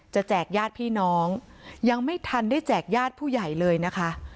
แจกญาติพี่น้องยังไม่ทันได้แจกญาติผู้ใหญ่เลยนะคะ